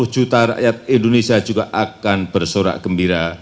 dua puluh juta rakyat indonesia juga akan bersorak gembira